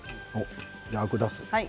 アクを出す。